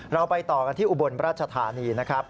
เราไปต่อกันที่อุบลราชธานีนะครับ